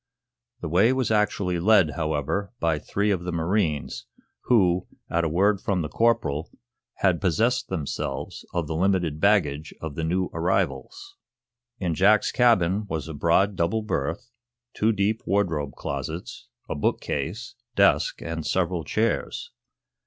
The way was actually led, however, by three of the marines, who, at a word from the corporal, had possessed themselves of the limited baggage of the new arrivals. In Jack's cabin was a broad double berth, two deep wardrobe closets, a book case, desk and several chairs.